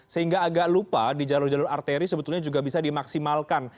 sehingga agak lupa di jalur jalur arteri sebetulnya juga bisa dimaksimalkan